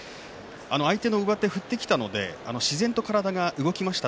相手の上手、振ってきたので自然と体が動きました。